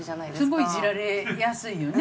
すごいイジられやすよね。